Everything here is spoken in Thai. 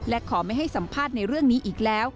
และขอไม่ให้สัมภาษณ์ในเรื่องนี้อีกแล้ว